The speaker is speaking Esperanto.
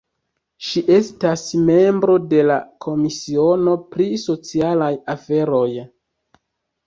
Ŝi estas membro de la komisiono pri socialaj aferoj.